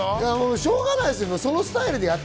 しょうがないです。